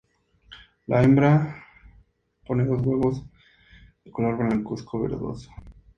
La hembra pone dos huevos de color blancuzco verdoso.